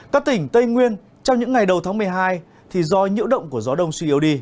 các tỉnh tây nguyên trong những ngày đầu tháng một mươi hai thì do nhiễu động của gió đông suy yếu đi